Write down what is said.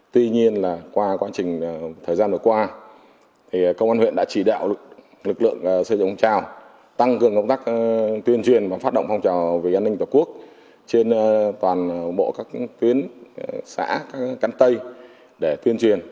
tuy nhiên là qua quá trình thời gian vừa qua công an huyện đã chỉ đạo lực lượng xây dựng phong trào tăng cường công tác tuyên truyền và phát động phong trào về an ninh tổ quốc trên toàn bộ các tuyến xã các tây để tuyên truyền